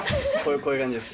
こういう感じです。